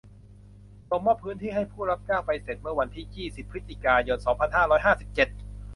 ส่งมอบพื้นที่ให้ผู้รับจ้างไปเสร็จเมื่อวันที่ ยี่สิบ พฤศจิกายน สองพันห้าร้อยห้าสิบเจ็ด